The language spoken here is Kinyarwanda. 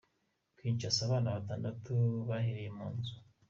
Kinshasa: Abana Batandatu bahiriye mu nzu